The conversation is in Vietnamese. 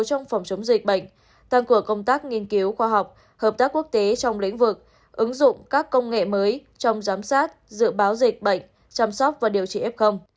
trong phòng chống dịch bệnh tăng cường công tác nghiên cứu khoa học hợp tác quốc tế trong lĩnh vực ứng dụng các công nghệ mới trong giám sát dự báo dịch bệnh chăm sóc và điều trị f